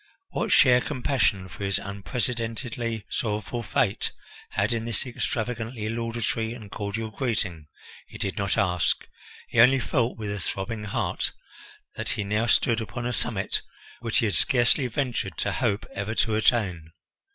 What share compassion for his unprecedentedly sorrowful fate had in this extravagantly laudatory and cordial greeting, he did not ask; he only felt with a throbbing heart that he now stood upon a summit which he had scarcely ventured to hope ever to attain.